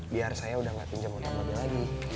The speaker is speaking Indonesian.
biar saya udah gak pinjam motor mba be lagi